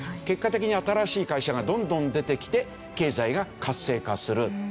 結果的に新しい会社がどんどん出てきて経済が活性化する。